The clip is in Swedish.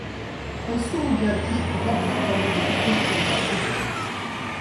En stor gräddklick på toppen kommer bli pricken över iet.